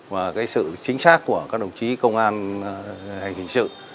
và cái sự chính xác của các đồng chí công an hành hình sự